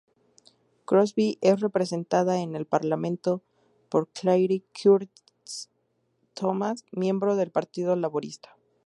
Crosby es representada en el Parlamento por Claire-Curtis Thomas, miembro del Partido Laborista.